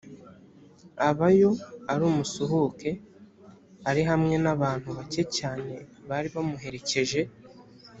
aba yo ari umusuhuke, ari hamwe n’abantu bake cyane bari bamuherekeje.